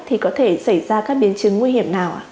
thì có thể xảy ra các biên chứng nguy hiểm nào